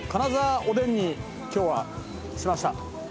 おでんに今日はしました。